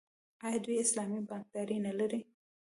آیا دوی اسلامي بانکداري نلري؟